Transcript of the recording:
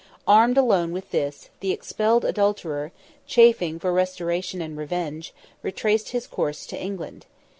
Armed alone with this, the expelled adulterer, chafing for restoration and revenge, retraced his course to England.